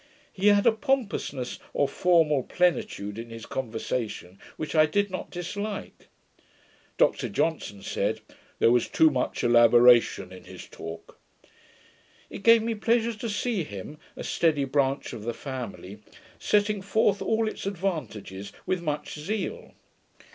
He had a pompousness or formal plenitude in his conversation which I did not dislike. Dr Johnson said, there was too much elaboration in his talk. It gave me pleasure to see him, a steady branch of the family, setting forth all its advantages with much zeal.